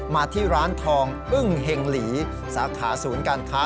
มาที่ร้านทองอึ้งเฮงหลีสาขาศูนย์การค้า